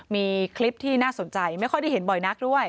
มีคลิปที่น่าสนใจไม่ค่อยได้เห็นบ่อยนักด้วย